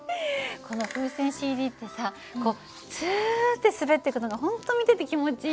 この風船ＣＤってさこうツッて滑っていくのが本当見てて気持ちいいよね。